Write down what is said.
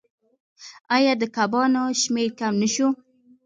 آیا د کبانو شمیر کم نشو؟